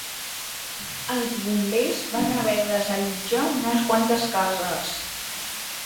Els bombers van haver de desallotjar unes quantes cases.